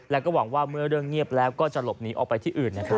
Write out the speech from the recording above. แล้วก็หวังว่าเมื่อเรื่องเงียบแล้วก็จะหลบหนีออกไปที่อื่นนะครับ